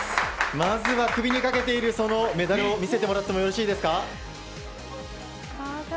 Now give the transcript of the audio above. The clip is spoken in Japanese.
まずは首にかけているそのメダルを見せてもらっていいですか。